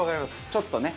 ちょっとね。